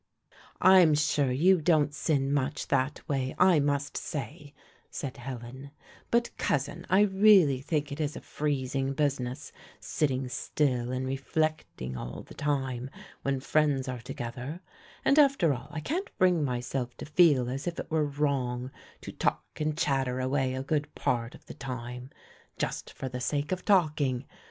"I'm sure you don't sin much that way, I must say," said Helen; "but, cousin, I really think it is a freezing business sitting still and reflecting all the time when friends are together; and after all I can't bring myself to feel as if it were wrong to talk and chatter away a good part of the time, just for the sake of talking.